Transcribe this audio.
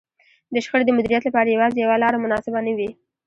د شخړې د مديريت لپاره يوازې يوه لار مناسبه نه وي.